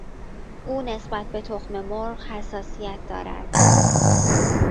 او نسبت به تخم مرغ حساسیت دارد.